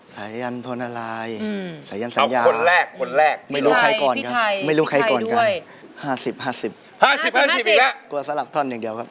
สายยันทนอะไรสายยันสัญญาณไม่รู้ใครก่อนครับไม่รู้ใครก่อนครับห้าสิบอีกแล้วกลัวสลับท่อนอย่างเดียวครับ